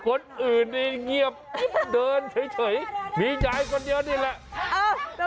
คนอื่นนี่เงียบเดินเฉยมียายคนเดียวนี่แหละ